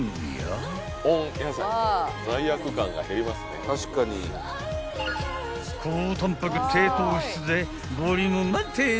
［高タンパク低糖質でボリューム満点サラダ］